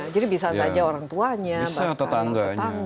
jadi bisa saja orang tuanya bahkan orang tetangganya